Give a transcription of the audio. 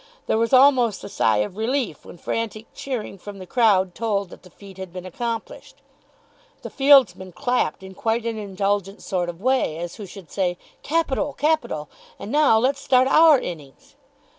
There was almost a sigh of relief when frantic cheering from the crowd told that the feat had been accomplished. The fieldsmen clapped in quite an indulgent sort of way, as who should say, "Capital, capital. And now let's start our innings."